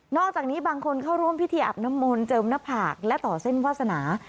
อกจากนี้บางคนเข้าร่วมพิธีอาบน้ำมนต์เจิมหน้าผากและต่อเส้นวาสนา